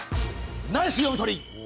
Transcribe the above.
ナイス読み取り！